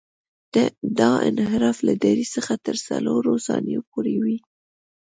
دا انحراف له درې څخه تر څلورو ثانیو پورې وي